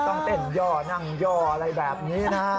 ต้องเต้นย่อนั่งย่ออะไรแบบนี้นะ